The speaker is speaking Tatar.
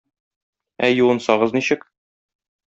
Ә юынсагыз ничек?